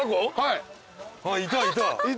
いたいた。